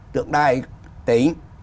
tượng đài tính